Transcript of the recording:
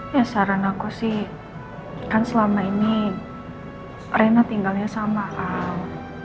ya saran aku sih kan selama ini rena tinggalnya sama om